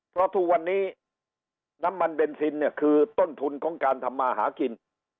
เพราะทุกวันนี้น้ำมันเบนซินเนี่ยคือต้นทุนของการทำมาหากิน